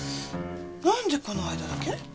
なんでこの間だけ？